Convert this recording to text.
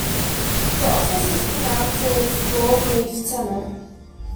The office is pronounced as 'Lord "Lef"-tenant'.